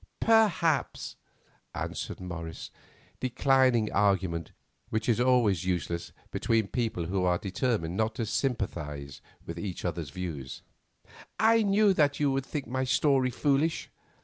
"Perhaps," answered Morris, declining argument which is always useless between people are are determined not to sympathise with each other's views. "I knew that you would think my story foolish.